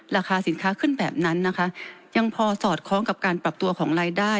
ราคาสินค้าขึ้นแบบนั้นนะคะยังพอสอดคล้องกับการปรับตัวของรายได้